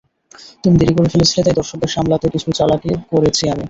তুমি দেরি করে ফেলেছিলে, তাই দর্শকদের সামলাতে কিছু চালাকি করেছি আমি।